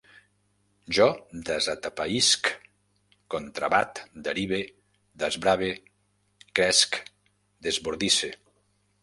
Jo desatapeïsc, contrabat, derive, desbrave, cresc, desbordisse